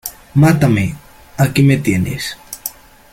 ¡ mátame, aquí me tienes!